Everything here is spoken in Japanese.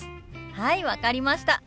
はい分かりました！